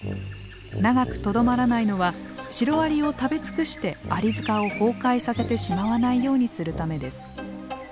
長くとどまらないのはシロアリを食べ尽くしてアリ塚を崩壊させてしまわないようにするためです。